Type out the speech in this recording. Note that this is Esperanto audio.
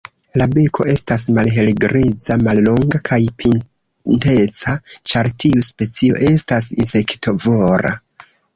La beko estas malhelgriza, mallonga kaj pinteca, ĉar tiu specio estas insektovora.